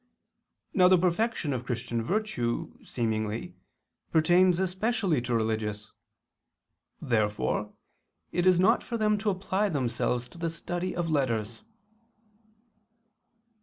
Now the perfection of Christian virtue, seemingly, pertains especially to religious. Therefore it is not for them to apply themselves to the study of letters.